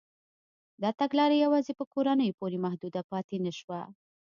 دا تګلاره یوازې په کورنیو پورې محدوده پاتې نه شوه.